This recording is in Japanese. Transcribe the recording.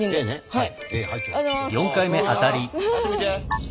はい。